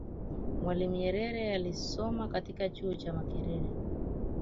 mwalimu Nyerere alisoma katika chuo cha makerere